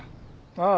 ああ。